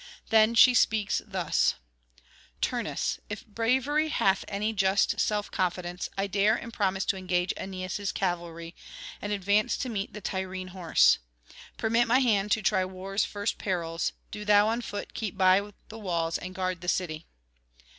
Then she speaks thus: 'Turnus, if bravery hath any just self confidence, I dare and promise to engage Aeneas' cavalry, and advance to meet the Tyrrhene horse. Permit my hand to try war's first perils: do thou on foot keep by the walls and guard the city.'